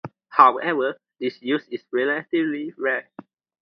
However, this use is relatively rare.